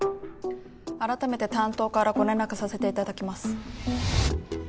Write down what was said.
改めて担当からご連絡させて頂きます。